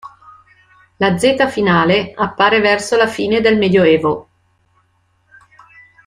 La "z" finale appare verso la fine del Medioevo.